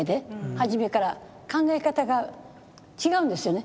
はじめから考え方が違うんですよね。